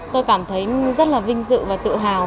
tôi cảm thấy rất là vinh dự và tự hào